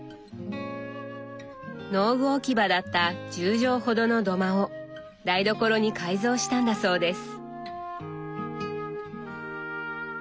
農具置き場だった１０畳ほどの土間を台所に改造したんだそうです。